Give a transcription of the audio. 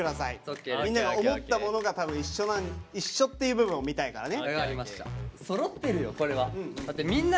みんなが思ったものが多分一緒っていう部分を見たいからね。